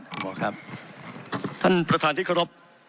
คุณหมอครับท่านประธานที่ขอรับ